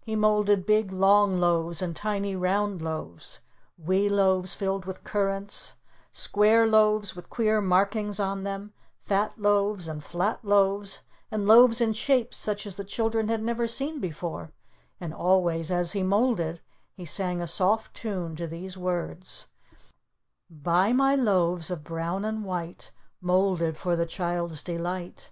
He molded big, long loaves, and tiny, round loaves; wee loaves filled with currants, square loaves with queer markings on them, fat loaves and flat loaves, and loaves in shapes such as the children had never seen before, and always as he molded he sang a soft tune to these words: "Buy my loaves of brown and white, Molded for the child's delight.